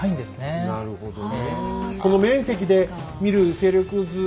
なるほどね。